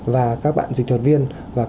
và các bạn dịch thuật viên